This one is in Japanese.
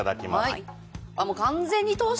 はい。